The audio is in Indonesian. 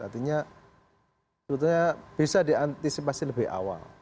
artinya sebetulnya bisa diantisipasi lebih awal